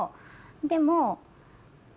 でも。